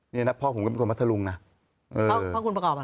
นี่นะพ่อผมก็เป็นคนพัทธรุงนะพ่อคุณประกอบอ่ะ